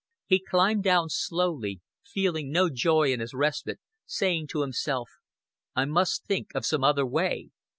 He climbed down slowly, feeling no joy in his respite, saying to himself: "I must think of some other way.